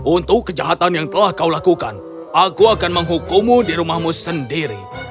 untuk kejahatan yang telah kau lakukan aku akan menghukummu di rumahmu sendiri